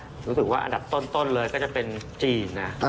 รู้สึกว่าอันดับต้นเลยก็จะเป็นจีนนะ